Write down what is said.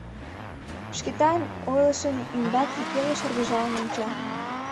Шкетан ойлышын ӱмбаке пеле шыргыжалын онча.